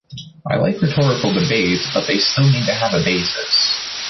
I like rhetorical debates but they still need to have a basis.